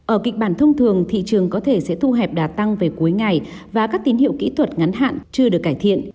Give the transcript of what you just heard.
ở kịch bản thông thường thị trường có thể sẽ thu hẹp đà tăng về cuối ngày và các tín hiệu kỹ thuật ngắn hạn chưa được cải thiện